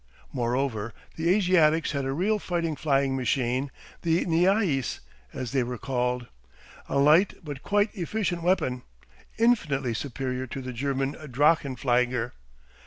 Moreover the Asiatics had a real fighting flying machine, the Niais as they were called, a light but quite efficient weapon, infinitely superior to the German drachenflieger.